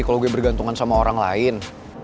kalau gue bergantungan sama orang lain